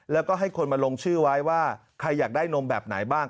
แล้วก็ให้คนมาลงชื่อไว้ว่าใครอยากได้นมแบบไหนบ้าง